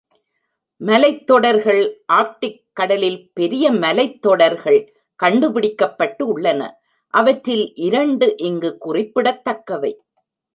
மலைத் தொடர்கள் ஆர்க்டிக் கடலில் பெரிய மலைத்தொடர்கள் கண்டுபிடிக்கப்பட்டுள்ளன. அவற்றில் இரண்டு இங்குக் குறிப்பிடத்தக்கவை.